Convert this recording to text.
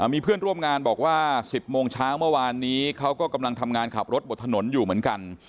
มีเพื่อนร่วมงานบอกว่า๑๐โมงเช้าเมื่อวานนี้เขาก็กำลังทำงานขับรถบนถนนอยู่เหมือนกัน